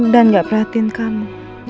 dan gak perhatiin kamu